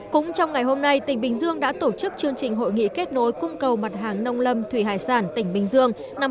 cũng trong ngày hôm nay tỉnh bình dương đã tổ chức chương trình hội nghị kết nối cung cầu mặt hàng nông lâm thủy hải sản tỉnh bình dương năm hai nghìn hai mươi